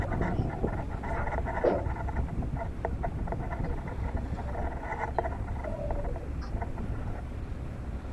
Aung Naing Soe hata hivyo ambaye ana uzoefu na waandishi walioko uhamishoni